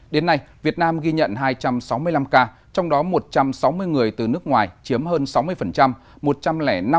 đến nay việt nam ghi nhận hai trăm sáu mươi năm ca trong đó một trăm sáu mươi người từ nước ngoài chiếm hơn sáu mươi